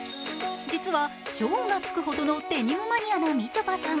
実は、超がつくほどのデニムマニアのみちょぱさん。